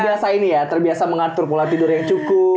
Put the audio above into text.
biasa ini ya terbiasa mengatur pola tidur yang cukup